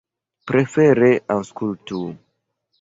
Prefere aŭskultu!